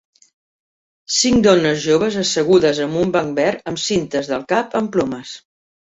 Cinc dones joves assegudes en un banc verd amb cintes del cap amb plomes.